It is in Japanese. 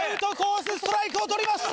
ストライクを取りました！